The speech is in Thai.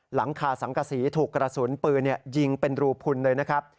หลังคาสังกษีถูกกระสุนปืนยิงเป็นรูพุนเลยนะครับ